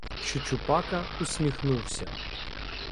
Чучупака усміхнувся: